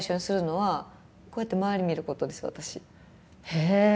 へえ！